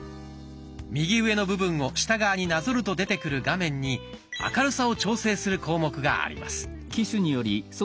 右上の部分を下側になぞると出てくる画面に明るさを調整する項目があります。